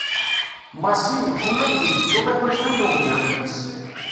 Massi yegguma ad yegzu iḥulfan n umddakel-is.